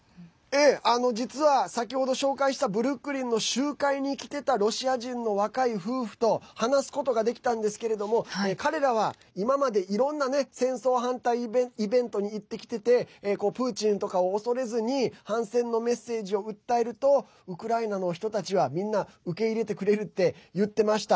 実は、先ほど紹介したブルックリンの集会に来てたロシア人の若い夫婦と話すことができたんですけれども彼らは今までいろんな戦争反対イベントに行ってきててプーチンとかを恐れずに反戦のメッセージを訴えるとウクライナの人たちはみんな受け入れてくれるって言ってました。